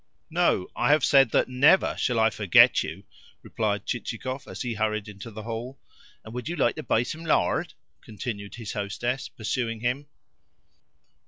"No, I have said that NEVER shall I forget you," replied Chichikov as he hurried into the hall. "And would you like to buy some lard?" continued his hostess, pursuing him.